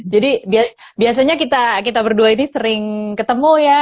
jadi biasanya kita kita berdua ini sering ketemu ya